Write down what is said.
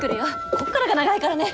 こっからが長いからね！